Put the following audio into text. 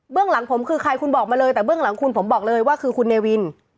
หลังผมคือใครคุณบอกมาเลยแต่เบื้องหลังคุณผมบอกเลยว่าคือคุณเนวิน